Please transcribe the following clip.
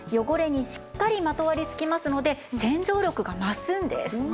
汚れにしっかりまとわりつきますので洗浄力が増すんです。